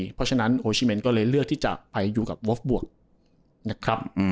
เพราะฉะนั้นโอชิเมนก็เลยเลือกที่จะไปอยู่กับวอฟบวกนะครับ